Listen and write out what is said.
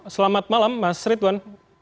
selamat malam mas ridwan